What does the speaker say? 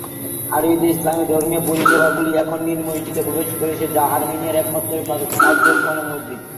আরবিতে ইসলামি ধর্মীয় পরিষেবাগুলি এখন নীল মসজিদে প্রবেশ করেছে, যা আর্মেনিয়ার একমাত্র কার্যক্ষম মসজিদ।